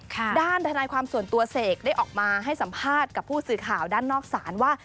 ด้านทนายความส่วนตัวเสกได้ออกมาให้สัมภาษณ์กับผู้สื่อข่าวด้านนอกศาลว่า